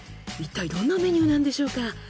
いったいどんなメニューなんでしょうか。